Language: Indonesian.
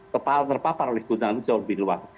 kepala terpapar oleh guncangan itu jauh lebih luas